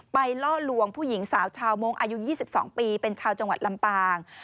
ล่อลวงผู้หญิงสาวชาวมงค์อายุ๒๒ปีเป็นชาวจังหวัดลำปาง